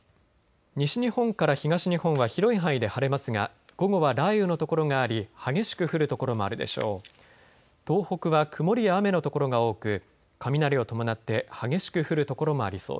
西日本から東日本は広い範囲で晴れますが午後は雷雨の所があり激しく降る所もあるでしょう。